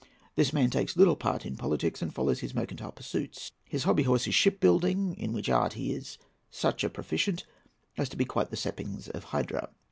This man takes little part in politics and follows his mercantile pursuits. His hobby horse is ship building, in which art he is such a proficient as to be quite the Seppings of Hydra.